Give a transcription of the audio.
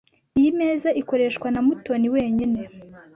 Iyi meza ikoreshwa na Mutoni wenyine.